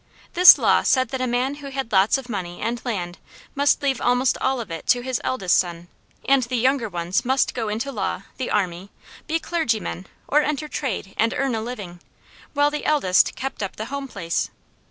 This law said that a man who had lots of money and land must leave almost all of it to his eldest son; and the younger ones must go into law, the army, be clergymen, or enter trade and earn a living, while the eldest kept up the home place.